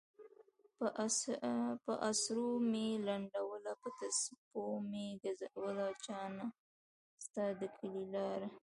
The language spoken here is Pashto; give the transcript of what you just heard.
پہ اسرو میی لنڈولہ پہ تسپو میی گزولہ جانہ! ستا د کلی لارہ